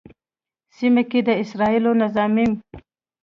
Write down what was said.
سیمه کې د اسرائیلو نظامي